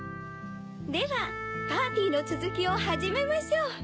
ではパーティーのつづきをはじめましょう！